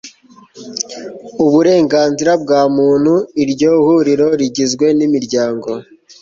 uburenganzira bwa muntu iryo huriro rigizwe n imiryango